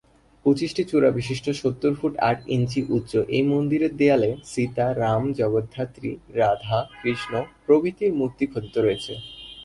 পঁচিশটি চূড়া বিশিষ্ট সত্তর ফুট আট ইঞ্চি উচ্চ এই মন্দিরের দেওয়ালে সীতা, রাম, জগদ্ধাত্রী, রাধা, কৃষ্ণ প্রভৃতির মূর্তি খোদিত রয়েছে।